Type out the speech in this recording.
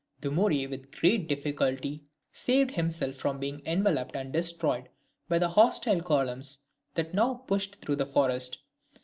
Dumouriez with great difficulty saved himself from being enveloped and destroyed by the hostile columns that now pushed through the forest.